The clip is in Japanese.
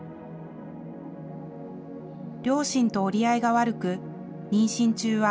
両親と折り合いが悪く、妊娠中は、